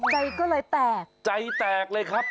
ใจก็เลยแตกใจแตกเลยครับ